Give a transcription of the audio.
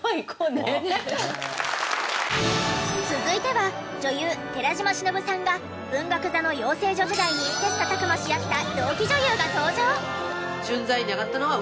続いては女優寺島しのぶさんが文学座の養成所時代に切磋琢磨し合った同期女優が登場。